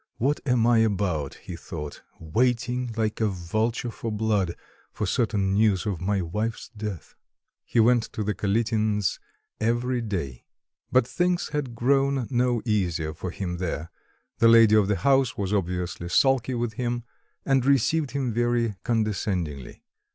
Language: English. "What am I about," he thought, "waiting, like a vulture for blood, for certain news of my wife's death?" He went to the Kalitins every day, but things had grown no easier for him there; the lady of the house was obviously sulky with him, and received him very condescendingly.